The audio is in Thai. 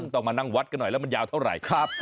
ต้องมานั่งวัดกันหน่อยแล้วมันยาวเท่าไหร่ครับ